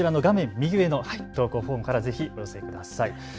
右上の投稿フォームからぜひお寄せください。